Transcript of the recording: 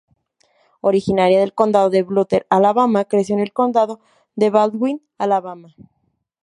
Originaria del Condado de Butler, Alabama, creció en el Condado de Baldwin, Alabama.